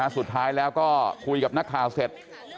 สุดท้ายแล้วก็คุยกับนักข่าวเสร็จ